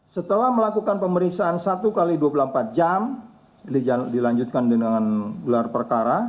setelah melakukan pemeriksaan satu x dua puluh empat jam dilanjutkan dengan gelar perkara